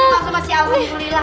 masih masih alhamdulillah